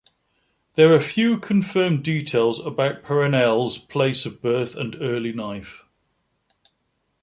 There are few confirmed details about Perenelle's place of birth and early life.